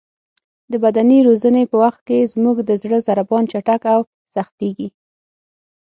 د بدني روزنې په وخت کې زموږ د زړه ضربان چټک او سختېږي.